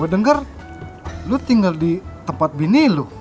gua denger lo tinggal di tempat bini lo